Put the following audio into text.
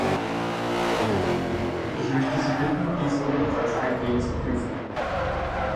Ich möchte Sie bitten, dies ebenfalls eingehend zu prüfen.